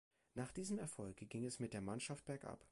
Nach diesem Erfolg ging es mit der Mannschaft bergab.